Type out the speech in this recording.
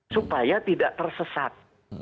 supaya tidak tersesat